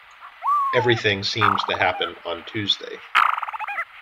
Everything seems to happen on Tuesday.